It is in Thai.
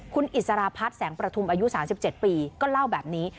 คุณอิสระพัฒน์แสงประทุมอายุ๓๗ปีก็เล่าแบบนี้